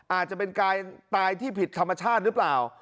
อาจจะเป็นการตายที่ผิดธรรมชาติหรือเปล่า